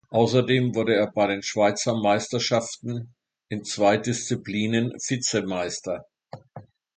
Ausserdem wurde er bei den Schweizer Meisterschaften in zwei Disziplinen Vizemeister.